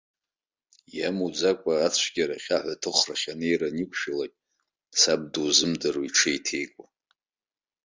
Иамуӡакәа, ацәгьарахь, аҳәаҭыхрахь анеира аниқәшәалак, саб дузымдыруа иҽеиҭеикуан.